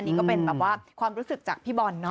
นี่ก็เป็นแบบว่าความรู้สึกจากพี่บอลเนาะ